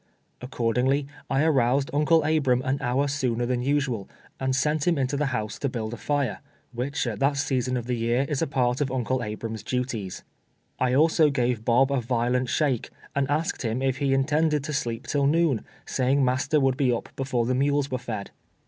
Accordingly I aroused Uncle Abram an hour Booner than usual, and sent him into the house to build a fire, which, at that season of the year, is a part of Uncle Abram's duties. I also gave B<;>1) a violent shake, and asked him if he intended to sleep till noon, saying master would be up before the mules were fed.